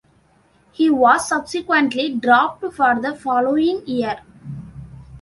He was subsequently dropped for the following year.